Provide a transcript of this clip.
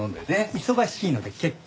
忙しいので結構。